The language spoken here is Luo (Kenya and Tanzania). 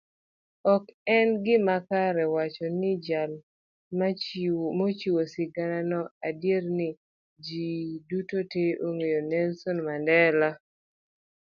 Ok en gima kare wacho nijal mochuo sigananonigi adierni ji dutoong'eyo Nelson Mandela.